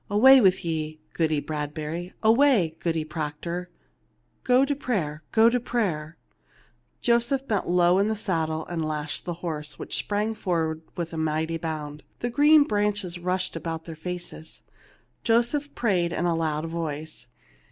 Away with ye, Goody Bradbury ! Away, Goody Proctor ! Go to prayer, go to prayer !" Joseph bent low in the saddle and lashed the horse, which sprang forward with a mighty bound ; the green branches rushed in their faces. Joseph prayed in a loud voice.